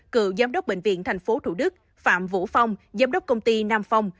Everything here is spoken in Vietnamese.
cựu giám đốc bệnh viện tp thủ đức phạm vũ phong giám đốc công ty nam phong